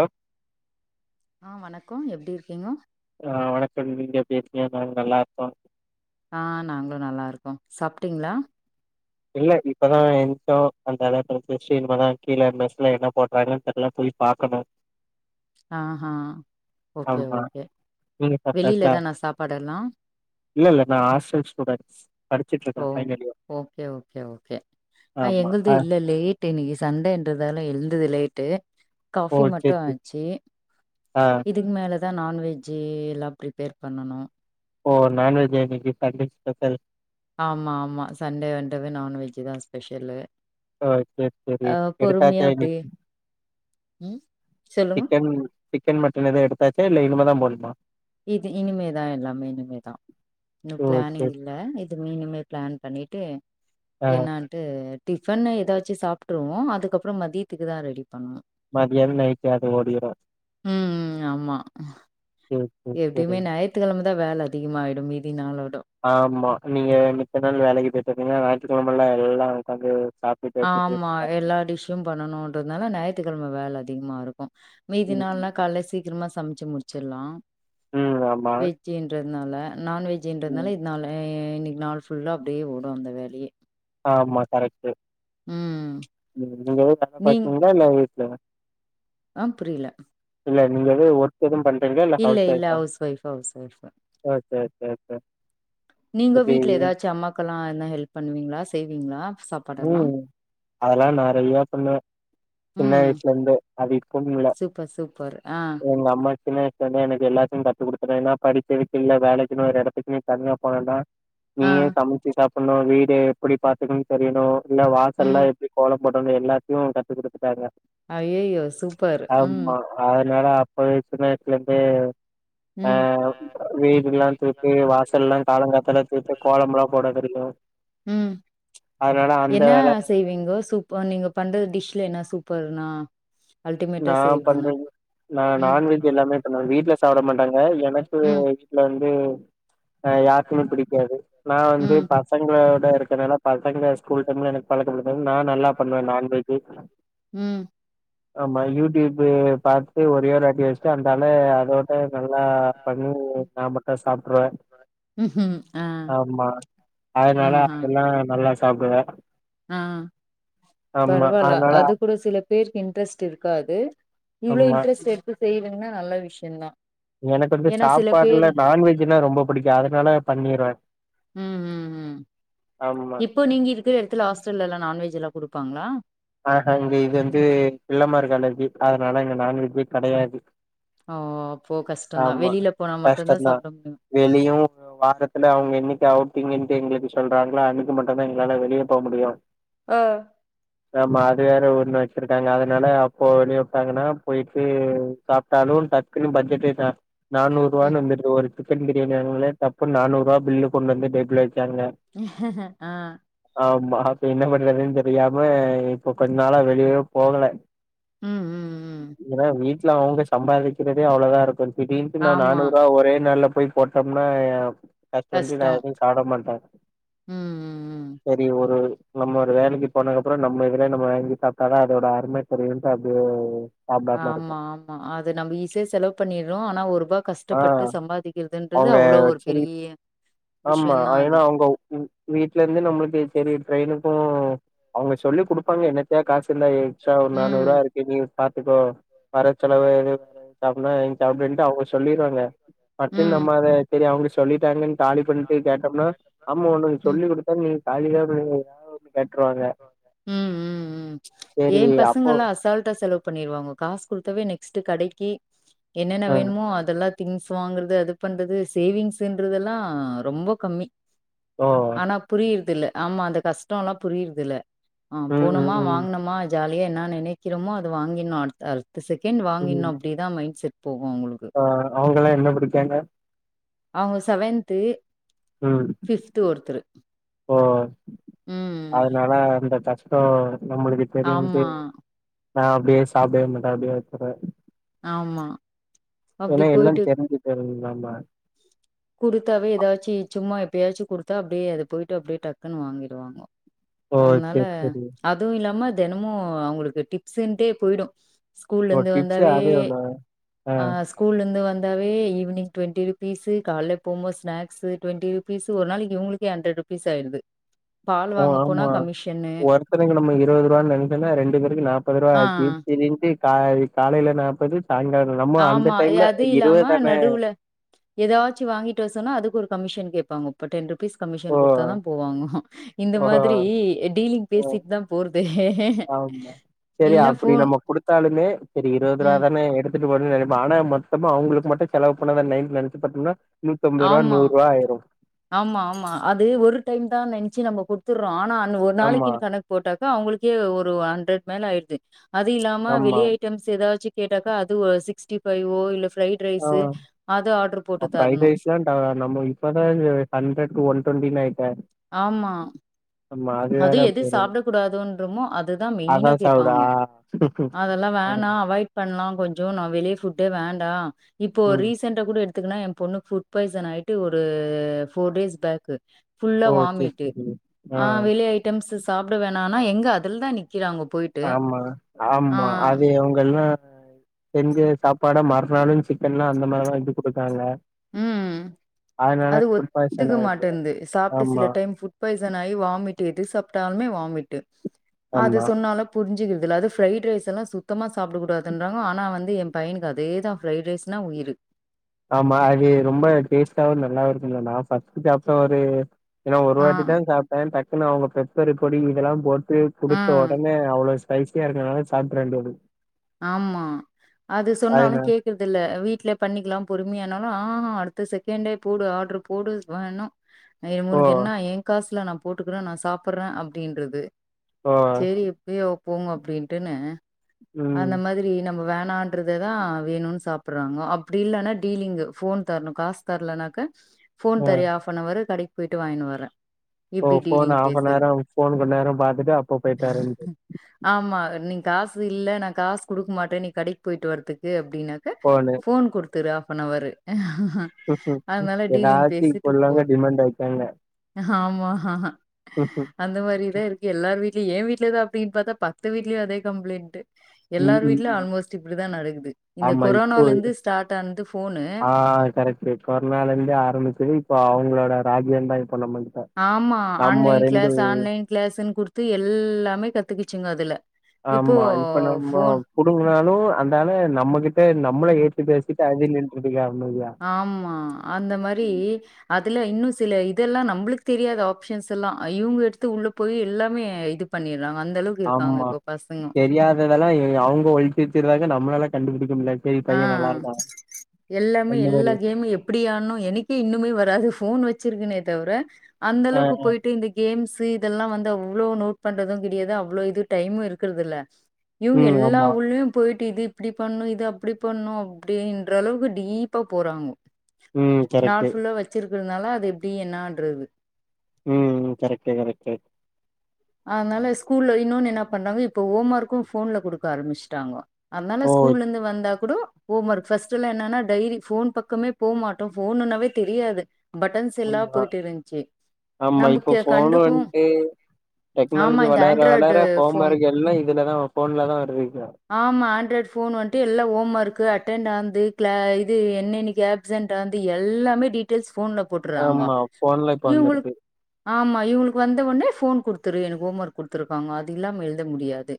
Hello ஆ வணக்கம் எப்டி இருக்கீங்க ஆ வணக்கம் நீங்க எப்டி இருக்கீங்க நாங்க நல்லாருக்கோ ஆ நாங்களு நல்லாருக்கோ சாப்ட்டீங்ளா இல்ல இப்பதா எந்ச்சோ அந்தால குளிச்சி இனிமே தா கீழ மெஸ்ல என்ன போடுறாங்கன் தெரில போய் பாக்கணு ஆ ஹா ஓகே ஆமா ஓகே நீங்க சாப்ட்டாச்சா வெளிலதானா சாப்பாடெல்லா இல்ல இல்ல நா ஹாஸ்டல் ஸ்டூடெண்ட்ஸ் படிச்சிட்ருக்க ஓ final year okay okay okay அ ஆமா எங்கள்து ஆ இல்ல லேட் இன்னைக்கு சண்டேன்றதால எழுந்தது லேட்டு ஓ காபி சேரி மட்டு சேரி ஆச்சு ஆ இதுக்கு மேல அதா நான்வெஜ்ஜு எல்லா ப்ரிப்பேர் பண்ணனு ஓ நான் வெஜ்ஜா இன்னிக்கி சண்டே ஸ்பெஷல் ஆமா ஆமா சண்டே வண்ட்டாவே நான்வெஜ்ஜு தா ஸ்பெஷலு அ செரி செரி ஆ பொறுமையா எடுத்தாச்சா அப்டி இன்னக்கி ம் சொல்லுங்க சிக்கன் சிக்கன் மட்டன் எது எடுத்தாச்சா இல்ல இனிமே தா போணுமா இது இனிமேதா எல்லாமே இனிமேதா இன்னு ஓ பிளானிங் சேரி இல்ல எதுமே இனிமே பிளான் பண்ணிட்டு ஆ என்னன் டிஃபன் எதாச்சு சாப்ட்ருவோ அதுக்கப்பற மதியத்துக்கு தா ரெடி பண்ணணு மத்தியானம் நைட்டு அது வோடிரு ம் ஆமா ம் எப்டியுமே ஞாயித்துக்கிழம தா வேல அதிகமாயிடு மீதி நாளோடோ ஆமா நீங்க மித்த நாள் வேலைக்கு போய்ட்டு வந்தீங்கன்னா ஞாயிற்றுக்கிழமெல்லா எல்லா உக்காந்து சாப் ஆமா எல்லா டிஷ்ஷீ பண்ணனுன்றதுனால ஞாயித்துக்கிழமை வேல அதிகமா இருக்கு மீதி ம், ம். நாள்னா காலையில சீக்கிரமா சமைச்சு முடிச்சிட்லாம் ம், ஆமா. வெஜ் வெஜ்ன்றதுனால நான் ம். வெஜ்ஜன்றதுனால இதனால இன்னைக்கு நாள் ஃபுல்லா அப்டியே ஓடு அந்த வேலையே ஆமா கரெக்ட்டு ம் நீங்க ஏது [unintelligible] பா த்தீங்களா இல்ல வீட்ல தா ஆம் புரியல இல்ல நீங்க இதே ஒர்க் யெதும் பண்றிங்களா யில்ல இல்ல ஹவுஸ் இல்ல ஒய்ஃப் ஒய்ஃப் ஹவுஸ் ஒய்ஃப் ஆ சேர் சேர் நீங்க வீட்ல யேதாச்சு அம்மாக்கெல்லா யென்ன ஹெல்ப் பண்ணுவீங்களா செய்வீங்களா சப் ம் அதெல்லா நறையா பண்ணுவே சின்ன ம் வயசுலருந்து படிப்புமில்ல சூப்பர் சூப்பர் ஆ யெங்க அம்மா சின்ன வயசு இப்பமே எனக்கு எல்லாத்தையு கத்துக் கொடுத்துட்டேன்னா படிப்பு விட்டில்ல வேலைக்குன்னுமே ஒரு எடத்துக்குமே தனியா போனனா ஆ நீயே சமச்சு சாப்பிட்ணு வீடு எப்டி பாத்துக்கனு தெரியணு இல்ல வாசல்லா ம் எப் புடி கோலம் போட்றன்னே எல்லாத்தையு கத்து குடுத்துட்டாங்க அய்யயோ சூப்பர் ம் ஆமா அதனால அப்பவே சின்னா வய்ஸ்ல இருந்தே ம் வீடு எல்லா தூக்கி வாசல்லா காலங்காத்தல தூத்து கோலமெ ல்லாம் போட தெரியு ம் அதனால அந்த என்ன வேல செய்வீங்கோ சூப் இப்ப நீங்க பண்ற டிஷ்ல என்ன சூப்பர்னா நா அல்டிமேட்டா செய்றதுன்னா பண்றது நான் நா ம் நான் நான்வெஜ் யெல்லாமே இப்ப நா வீட்ல சாப்பிட மாட்டாங்க எனக்கு ஏன்னா ம் வீட்டுல வந்து அ யாருக்குமே பிடிக்காது நா வந்து ம் பசங்களோட இருக்கனால பசங்க ஸ்கூல் டைம்ல எனக்கு பழக்கப்படுத்த நா நல்லா பன்னுவ நான் வெஜ்ஜி ம் ஆமா யூடியூப் பாத்துடு ஒரே ஒரு அடி எக்ஸ்ட்ரா இருந்தால அதோட்ட நா பண்ணி நா மட்டு சாப்ட்ருவே ம்ஹும் ஆ ஆமா அதனால ஆஹா பழகிட்டேன். அதெல்லா நல்லா சாப்டுவே ஆ ஆமா பரவால அதனால அது கூட சில பேருக்கு இன்ட்ரெஸ்ட் இருக்காது இவ்ளோ ஆமா இன்ட்ரெஸ்ட் யெடுத்து செய்வேனா நல்ல விஷயந்தா எனக்கு வந்து ஏன்னா சில பேரு சாப்பாடுல நான் வெஜ்ன்னா ரொம்ப புடிக்கு அதனால பண்ணிருவே ம் ம் ம் ஆம் இப்போ நீங்க யிருக்கிற யெடத்துல ஹாஸ்டல்லா நான்வெஜ்லா குடுப்பாங்களா ஆ ஹ இங்க இது வந்து பிள்ளமார் காலேஜ்ஜு அதனால இங்க நான்வெஜ்ஜே கிடையாது ஒ ஓ அப்போ கஷ்டந்தா வெளில போனா மட்டுந்தா கஷ்டந்தா சாப்ட முடியு வெளியு வாரத்துல அவங்க யென்னிக்கு அவுட்டீங்கன்ட்டு யெங்களுக்கு சொல்றாங்களோ அன்னிக்கு மட்டுந்தா யெங்களால வெளிய போமுடியு ஆ ஆமா அது வேற ஊருன்னு வச்சிருக்காங்க அதனால அப்போ வெளிய வைப்பாங்கன்னா போயிட்டு சாப்ட்டாலு டக்குன்னு பட்ஜட்டே தான் நானூறு ம் ரூவான்னு வந்துட்டு ஒரு சிக்கன் பிரியாணி வாங்களே தப்புண்ணு நானூறு ரூபா பில்லு கொண்டு வந்து டேபிள்ள வச்சாங்க ஆஹ் ஆமா இப்ப என்ன பண்றதுன் தெரியாம இப்ப கொஞ்ச நாளா வெளியவே போகல ம் ம் ம் ஏன்னா வீட்ல அவங்க சம்பாதிக்கிறதே அவ்வளதா இருக்கு திடிர்ன்ட்டு நா ஆமா நானூறு ரூவா ஒரே நாள்ல போய் போட்டம்னா கஷ்டோ ஒண்டி நா எதுவு சாப்ட மாட்டே ம் ம் ம் செரி ஒரு நம்ம ஒரு வேலைக்கி போனதுக்கப்றோ நம்ம இதுல நம்ம வாங்கி சாப்டாதா அதோட அரும தெரியுன்ட்டு அப்டியே சாப்டாம இருக்கே ஆமா ஆமா அது நம்ம ஈஸியா செலவு பண்ணிர்றோ ஆனா ஒரு ரூபா ஆ கஷ்டப்பட்டு சம்பாதிக்கிறதுன்றது அவங்க அவ்ளோ ஒரு சரி பெரிய ஆமா அது ஏன்னா உங்க உ வீட்ல இருந்து நம்மளுக்கு செரி ட்ரெயினுக்கு அவங்க சொல்லி குடுப்பாங்க என்னத்தையா காசு இருந்தா எக்சா ஒரு நானூறு ம் ரூவா இருக்கு நீ பாத்துக்கோ வர செலவு எது வேற எதுவு சாப்டனுன்னா வாங்கி சாப்டுன்ட்டு அவங்க சொல்லிருவாங்க பட்டு ம் நம்ம அத சரி அவுங்க சொல்லிட்டாங்கன்னு காலி பண்ணிட்டு கேட்டம்னா ஆமா ஒனக்கு ம் சொல்லி குடுத்தா நீ காலிதா பண்ணிருவியா கேட்ருவாங்க ம் ம் ம் ஏ அப்போ பசங்கல்லா அசால்ட்டா செலவு பண்ணிருவாங்க காசு குடுத்தாவே நெக்ஸ்ட் கடைக்கு என்னென்ன ஆ வேணுமோ அதெல்லா திங்ஸ் வாங்குறது அது பண்றது சேவிங்ஸ்ன்றதெல்லா ரொம்ப கம்மி ஓ ஆனா புரியிறது இல்ல ஆமா அந்த கஷ்டோல்லா புரியிறதில்ல ஆ ம் ம் போனமா ம் வாங்னமா ஜாலி என்ன நெனைக்கிறோமோ அது வாங்கிர்னு அடுத் அடுத்த செகண்ட் ம் வாங்கிர்னு அப்டிதா மைண்ட் செட் போகு அவுங்களுக்கு ஆ அவங்கல்லா என்ன படிக்காங்க அவங்க செவன்த் ம் ஓ ம் அதனால அந்த சாச் ஓ நம்மளுக்கு தெரிஞ்சி ஆமா நா அப்டியே சாப்டவே மாட்டே அப்டியே வச்சிருவே ஆமா ஏன்னா அப்டி எல்லா போயிட்டு தெரிஞ்சு போயிருதுல்ல ஆமா குடுத்தாவே ஏதாச்சு சும்மா எப்பயாச்சு குடுத்தா அப்டியே அத போயிட்டு அப்டியே டக்குன்னு வாங்கிடுவாங்க ஓ அதனால சேரி சேரி அதுவு இல்லாம தினமு அவங்களுக்கு டிப்ஸ்ன்ட்டே போயிடு ஓ ஸ்கூல்லர்ந்து டிப்ஸே வந்தாவே அதே ஒண்ணு ஆ ஸ்கூல்லந்து வந்தாவே ஈவினிங் டுவெண்ட்டி ருபீசு காலேல போம்போது ஸ்நாக்ஸ் டுவெண்டி ருபீஸ் ஒரு நாளைக்கு இவங்களுக்கே ஹண்ட்ரட் ருபீஸ் ஆயிடுது பால் ஓ வாங்க போனா ஆமா கமிஷன் ஒருத்தனுக்கு நம்ம இருபது ரூபான்னு நெனைச்சன்னா ரெண்டு பேருக்கு நாப்பது ரூபா ஆ ஆச்சு செரின்ட்டு கா காலேல நாப்பது சாயங்காலோ நம்ம அந்த ஆமா டைம்ல அது இல்லாம இருவதுதான நடுவுல ஏதாச்சு வாங்கிட்டு வர சொன்னா அதுக்கு ஒரு கமிஷன் கேப்பாங்க ஒரு டென் ருபீஸ் கமிஷன் ஓ குடுத்தா தா போவாங்க இந்த ஓஹோ மாதிரி டீலிங் ஓ பேசிட்டு தா போறதே ஆமா செரி அப்டி நம்ம குடுத்தாலுமே செரி இருவதுரூவா ம். தானே எடுத் துட்டு போட்டுன்னு நெனைப்போ ஆனா மொத்தமா அவங்களுக்கு மட்டு செலவு பண்ணதா நைட் நெனைச்சு பாத்தம்னா நூத்தம்பது ரூவா ஆமா, நூரூவா ஆயிரு ஆமா ஆமா அது ஒரு டைம் தா நெனச்சி நம்ம குடுத்துர்றோ ஆனா அன் ஒரு ஆமா நாளைக்குன்னு கணக் போட்டாக்க அவங்களுக்கே ஒரு ஹண்டர்ட் மேல ஆயிடுது அது இல்லாம ஆமா வெளி ஐட்டம் ஸ் ஏதாச்சு கேட்டாக்கா அது ஒ சிக்ஸ்ட்டி ஃபைவோ இல்ல ஃப்ரைட் ரைஸ்ஸு அது ஆர்டர் போட்டு தரணு ஏண்டா நம்ம இப்பதா ஆ ஹண்டர்ட்க்கு ஒன் டுவென்டின்னு ஆயிட்டே ஆமா ஆமா அது வேற எது போயிரு சாப்பிட கூடாதுன்றமோ அதுதா அதா மெயினா சாப்டா கேப்பாங்கோ அதெல்லா ம் வேணா அவாய்ட் பண்லா கொஞ்சோ நா வெளிய ஃபுட்டே வேண்டா இப்போ ம். ரீசன் கூட எடுத்துக்குனா எ பொண்ணு ஃபுட் பாய்சனாயிட்டு ஒரு ஃபோர் டேஸ் பேக்கு ஃபுல்லா ஓ சரி வாமிட்டு சரி ஆ வெளியே ஐட்டம்ஸ்ஸீ சாப்ட வேணான்னா எங்க அதிலதா நிக்கிறாங்க போய்ட்டு ஆமா ஆமா அது இவங்கெல்லா எங்கே சாப்பாட மறுநாளு சிக்கன்லா அந்த மாரிதா வெச்சு கொடுத்தாங்க உம் அது பாய்சன் ஒத்துக்க ஆயிரு மாட்டேன்ந்து சாப்ட்டு சில ஆமா, டைம் ஃபுட் பாய்சன் ஆயி வாமிட்டு எது சாப்ட்டாலுமே வாமிட்டு அது ஆமா, சொன்னாலு புரிஞ்சுக்கிறதில்ல அது ஃபிரைடு ரைஸ் எல்லா சுத்தமா சாப்பிடக் கூடாதுன்றாங்க ஆனா வந்து எ பையனுக்கு அதேதா ஃப்ரைடு ரைஸ்னா உயிரு ஆமா அது ரொம்ப டேஸ்ட்டாவு நல்லாவு இருக்குன்னு சொன்னா ஃபஸ்ட்டு சாப்ட்ட ஒரு நா ஒரு ஆ வாட்டி தா சாப்ட்டே டக்குன்னு அவங்க பெப்பரு பொடி இதெலா போட்டு குடுத்த ஆ ஒடனே அவ்ளோ ஸ்பைசியா இருக்கனால சாப்ட்ற வேண்டியது ஆமா அது சொன்னாலு கேக் இதில்ல வீட்லயே பண்ணிக்கலா பொறுமையானாலு ஆஹா அடுத்த செகண்டே போடு ஆர்டரு போடு வேணு ஏ ஓ! உனுக்கு என்னா என் காஸ்ல நா போட்டுகற நா சாப்பர்ன அப்டின்றது ஓ! சேரி எப்பயோ போங்க அப்படின்ட்டுன்னு அந்த ம். மாதிரி நம்ம வேணான்றத தா வேணுன்னு சாப்பிடறாங்க அப்டி இல்லனா டீலிங்கு ஃபோன் தரணு காஸ் தரலனாக்க ஃபோன் அ. தரியா ஆஃபனவரு கடைக்கு போயிட்டு வாங்கின்னு வர போ ஃபோன் ஹாஃப்பு நேர ஃபோன் ரொம்ப நேர பாத்துட்டு அப்ப போயிட்டாருன்றது ஆமா நீங் காசு இல்ல நா காசு குடுக்க மாட்ட நீ கடைக்கு போயிட்டு வர்றதுக்கு அப்டின்ன டு ஃபோனு. ஃபோன் கொடுத்துரு ஹாஃபனவரு ஏதாச்சு இப்ப உள்ளவங்க போது. டிமாண்ட் ஆயிட்டாங்க ஆமா ஹ ஹ அந்த மாரிதா இருக்கு எல்லார் வீட்லியு எ வீட்லதா அப்டின்னு பத்தா பத்து வீட்லியு அதே கம்ப்ளைண்ட் ம், எல்லார் ம், வீட்ல ம். ஆல்மோஸ்ட் இப்பிடிதா நடக்குது இந்த ஆமா இப்போ கொரோனாலிருந்து ஸ்டார்ட் ஆனது ஃபோனு ஆ கரெக்ட் இது கொரனாலிந்து ஆரம்பிச்சது இப்போ அவங்களோட ராஜியம் தா இப்ப நம்ப ஆமா ஆன்லைன் கிளாஸ் ஆன்லைன் கிளாஸ்ன்னு குடுத்து எல்லாமே கத்துக்கிச்சுங்க அதுல இப்போ ஆமா இப்ப நம்ம ஃபோன் புடுங்கனாலு அந்தால நம்மகிட்ட நம்மள ஏத்து பேசிட்டு அது நின்ட்ருக்குடா அமேதியா ஆமா அந்த மாரி அதுல இன்னு சில இதெல்லா நம்ளுக்கு தெரியாது ஆப்ஷன்ஸ் எல்லா இவங்க எடுத்து உள்ள போயி எல்லாமே இது பண்ணிர்றாங்க அந்த அளவுக்கு இருக்காங்க ஆமா இப்ப பசங்க [unintelligible] அவங்க ஒளிச்சி வெச்சிருந்தாங்க நம்மளால கண்டுபுடிக்க முடியாது ஆ ஆ எல்லாமே அந்த எல்லா மாரி கேம் எ ப்டியானு எனக்கே இன்னுமே வராது ஃபோன் வச்சிருக்குனே தவிர அந்த ஆ அளவுக்கு போயிட்டு இந்த கேம்ஸ்ஸு இதெல்லா வந்து அவ்ளோ நோட் பண்றது கெடையாது அவ்ளோ இது டைமு இருக்குறதில்ல இவங்க ம் எல்லா ஆமா உள்ளையு போயிட்டு இது இப்டி பண்ணும் இது அப் அப்டி பண்ணும் அப்டின்ற அளவுக்கு டீப்பா போறாங்க ம் நாள் கரெக்ட்டு ஃபுல்லா வச் வச்சிருக்கிறனால அது எப்டி என்னான்றது ம் ம் கரெக்ட்டு கரெக்ட்டு அதனால ஸ்கூல்ல இன்னொன்னு என்னா பண்ணாங்க இப்ப ஹோம் ஒர்க்கு ஃபோன்ல குடுக்க ஆரம்பிச்சுட்டாங்கோ அத்னால ஓ ஸ்கூல்லந்து வந்தா கூடொ ஹோம் வொர்க் ஃபஸ்ட்டெல்லா என்னன்னா டைரி ஃபோன் பக்கமே போமாட்டோ ஃபோன்னுன்னாவே தெரியாது பட்டன்ஸ் செல்லா ஆமா போயிட்டுருந்துச்சு ஆமா இப்போ நம்மக்கு ஃபோனு கண்டுக்கு வந்ட்டு டெக்னாலஜி வளர வளர ஹோம் ஃபோன் ஒர்க் எல்லா இதுலதா ஃபோன்ல தா வருதுங்க ஆமா ஆன்ட்ராய்ட் ஃபோன் வந்ட்டு எல்லா ஓம் ஒர்க் அட்டென்ட் ஆனது க்ளா இது என்னன்னைக்கு ஆப் சென்ட் ஆனது எல்லாமே டீட்டெல்ஸ் ஃபோன்ல போட்டுர்றாங்கொ ஆமா ஃபோன்ல இப்ப இவுங்களுக் வந்துருது ஆமா இவங்களுக்கு வந்தவொன்னே ஃபோன் குடுத்துரு எனக்கு ஹோம் ஒர்க் குடுத்துருக்காங்க அது இல்லாம எழுத முடியாது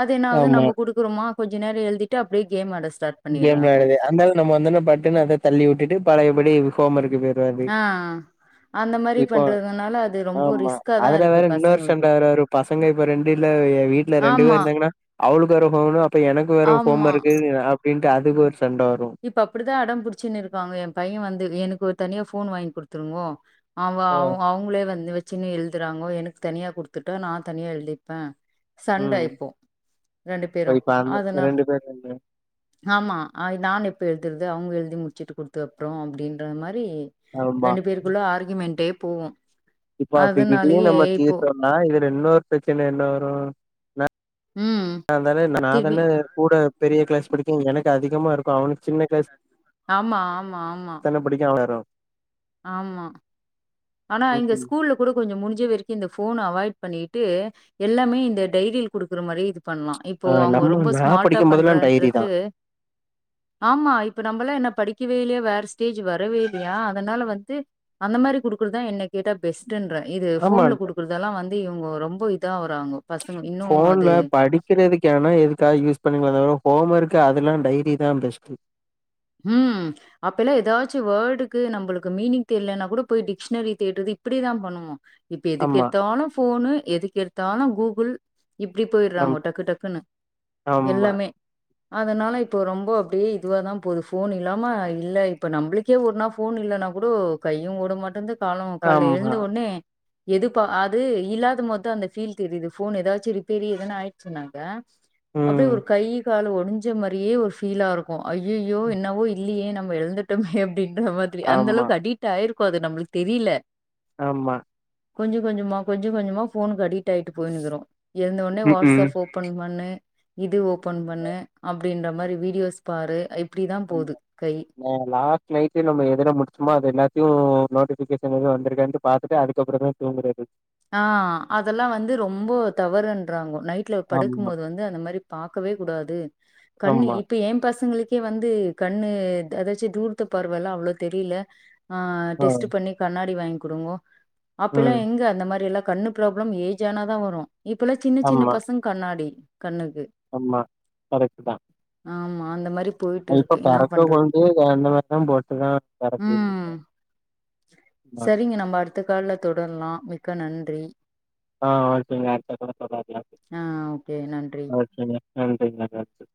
அது என்னாவது ஆமா நம்ம குடுக்குறோமா கொஞ்ச நேரோ எழுதிட்டு அப்டியே கேம் ஆட ஸ்டார்ட் கேம் பண்ணிறாங்க வெளையாட்றது அந்தாண்ட நம்ம வந்தொன்ன பட்டுன்னு அத தள்ளிவுட்டுட்டு பழையபடி ஹோம் ஒர்க்கு போயிட்றது ஆ ஆ இப்போ ரொம்ப ஆமா ரிஸ்கா தா அதுல இருக்கு வேற இன்னொரு ஃப்ரெண்ட பசங்களுக்கு வேற ஒரு பாச ப்ப எங்களுக்கு ரெண்டு இல்ல வெ வீட்ல ரெண்டு பேர் ஆமா இருந்தாங்கன்னா அவளுக்கு வேற ஃபோனு அப்ப எனக்கு வேற ஹோம் ஆமா ஒர்க்கு அப்டின்ட்டு அதுக்கு ஒரு சண்ட வரு இப்ப அப்டிதா அடம்புடிச்சுன்னு இருக்காங்க எ பைய வந்து எனக்கு ஒரு தனியா ஃபோன் வாங்கி குடுத்துருங்கோ அவங்க ஓ அவங் அவ்ங்களே வந்து வச்சுன்னு எழுதுறாங்கோ எனுக்கு தனியா குடுத்துட்டா நா தனியா எழுதிப் ப சண்ட ம் இப்போவ் ரெண்டு இப்ப பேரு இப்ப அந்த அதனா ரெண்டு பேர் ரெண்டு ஆமா அது நான் எப்ப எழுதுறது அவங்க எழுதி முடிச்சிட்டு குடுத்தப்புறோ அப்டின்ற மாரி ஆமா ரெண்டு பேருக்குள்ள ஆர்கியுமென்ட்டே போவு இப்போ அப்டி இதையு அதனாலயே நம்ம இப்போ தீர்த்தொம்னா இதுல இன்னொரு பிரச்சன என்ன வரு ம் அதானே நா திருப்பி தானே கூட பெரிய கிளாஸ் படிக்கு எனக்கு அதிகமா இருக்கு அவனுக்கு சின்ன க்ளாஸ் ஆமா ஆமா ஆமா தானா படிக்கா வரு ஆமா ஆனா ம் இங்க ம் ஸ்கூல்லு கூட கொஞ்சோ முடிஞ்ச வரைக்கு இந்த ஃபோன் அவாய்ட் பண்ணிட்டு எல்லாமே இந்த டைரில குடுக்குற மாரி இது பண்லா இப்போ ஆ அவுங்கோ நம்ம ரொம்ப நா ஸ்மார்ட்டா படிக்கும் போதெல்லா டைரி தா பண்றன்றட்டு ஆமா இப்ப நம்மெல்லா என்ன படிக்கவே இல்லையா வேற ஸ்டேஜ் வரவே இல்லையா அதனால வந்து அந்த மாரி குடுக்குறதா என்ன கேட்டா பெஸ்ட்டுன்ற இது ஆமா ஃபோன்ல குடு குறதுல்லா வந்து இவுங்கோ ரொம்ப இதாவுறாங்கோ ஃபோன்ல படிக் கிறதுக் எதுனா எதுக்காக யூஸ் பண்ணிக்கலா தவிர ஹோம் ஒர்க்கு அதெல்லா டைரிதா பெஸ்ட்டு ம் அப்பேல்லா எதாச்சு வேர்டுக்கு நம்பளுக்கு மீனிங் தெரியலன்னா கூட போய் டிக்ஷனரி தேடுறது இப்டிதா பண்ணுவோ இப்ப ஆமா எதுக்கெடுத்தானு ஃபோனு எதுக்கெடுத்தாலு கூகுள் இப்டி போயிர்றாங்கோ ஆமா டக்கு டக்குன்னு ஆமா எல்லாமே அதனால இப்போ ரொம்ப அப்டியே இதுவாதா போது ஃபோன் இல்லாம இல்ல இப்ப நம்புளுக்கே ஒரு நா ஃபோன் இல்லனா கூட கையு ஓட மாட்டந்து காலு கால்ல ஆமா எழுந்தவொனே எதுப்பா அது இல்லாத மோதா அந்த ஃபீல் தெரியுது ஃபோன் எதாச்சு ரிப்பேரி எதான்னு ஆயிச்சினாக்க அப்டியே ம் ஒரு கை கால் ஒடஞ்ச மாரியே ஒரு ஃபீலா இருக்கு ஐய்யய் யோ என்னவோ இல்லியே நம்ம எழந்துட்டோமே அப்டின்ற மாதிரி ஆமா அந்தளவுக்கு அடிட் டாயிருக்கோ அது நம்ளுக் தெரில ஆமா கொஞ்சொ கொஞ்சமா கொஞ்சொ கொஞ்சமா ஃபோன்க்கு அடிக்ட் ஆயிட்டு போயினுக்குறோ எழுந்தவுன்னே ம் ம் வாட்ஸ்அஃப் ஓப் பன் பண்ணு இது ஓபன் பண்ணு அப்டின்ற மாரி வீடியோஸ் பாரு இப் இப்டி தான் போது கை அங்க லாஸ்ட் நைட்டு நம்ம எதுல முடிச்சமோ அது எல்லாத்தையும் நோட்டிஃபிகேஷன் எதுவும் வந்திருக்கான்னு பாத்துட்டு அதுக்கப்புறந்தா ரொம்ப நன்றி ஆ அதெல்லாம் வந்து ரொம்ப தவறுன்றாங்கோ நைட் ல படுக்கும் ஆமா போது வந்து அந்த மாரி பாக்கவே கூடாது கண்ணி ஆமா இப்ப என் பசங்களுக் கே வந்து கண்ணு எதாச்சு தூரத்து பார்வல்லாம் அவ்ள தெரில அ ஆ டெஸ்ட் பண்ணி கண்ணாடி வாங்கி குடுங்கோ அப்ப ம் எல்லாம் எங்க அந்த மாரி எல்லாம் கண்ணு ப்ராப்ளம் ஏஜ் ஆனா தான் வரும் இப்பல்லாம் சின்ன சின்ன பசங்க கண்ணாடி கண்ணுக்கு அம்மா கரைட்தான் ஆமா அந்த மாரி போயிட்டு இப்ப இருக்கு என்ன பொறக்கர பண்றது கொழந்தயே அந்த மாரிதான் போட்டுதான் பொறக்குது செரிங்க நம்ம அடுத்த கால்ல தொடரலாம் மிக்க நன்றி ஆ ஓகேங்க அடுத்த தடவ பாக்கலாம் ஆ ஓகே நன்றி ஓகேங்க நன்றிங்க நன்றி